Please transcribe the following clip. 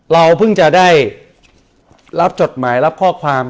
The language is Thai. เราเพิ่งจะได้รับจดหมายรับข้อความ